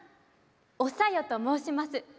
お小夜と申します。